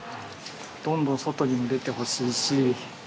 どんどん外にも出てほしいし。